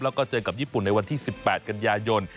แล้วก็เจอกับญี่ปุ่นในวันที่๑๘กันยายน